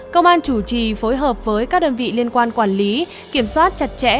công an chủ trì phối hợp với các đơn vị liên quan quản lý kiểm soát chặt chẽ